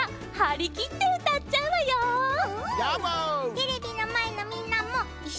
テレビのまえのみんなもいっしょにたのしんでね。